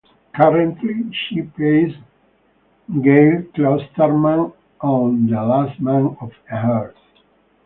Currently, she plays Gail Klosterman on "The Last Man on Earth".